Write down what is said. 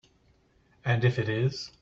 And if it is?